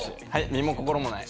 身も心もない。